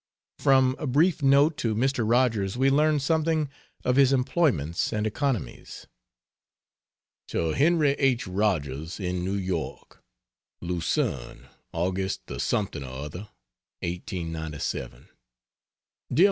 From a brief note to Mr. Rogers we learn something of his employments and economies. To Henry H. Rogers, in New York: LUCERNE, August the something or other, 1897. DEAR MR.